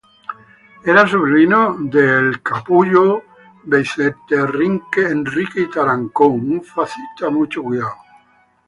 Era sobrino del cardenal Vicente Enrique y Tarancón.